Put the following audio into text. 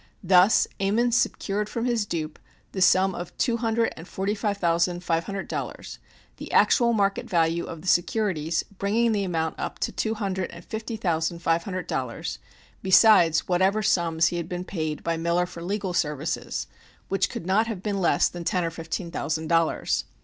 Thus Ammon secured from his dupe the sum of two hundred and forty five thousand five hundred dollars, the actual market value of the securities bringing the amount up to two hundred and fifty thousand five hundred dollars, besides whatever sums he had been paid by Miller for legal services, which could not have been less than ten or fifteen thousand dollars.